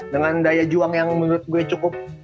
dengan daya juang yang menurut gue cukup